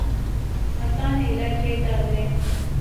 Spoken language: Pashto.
اسان علاج ئې دا دی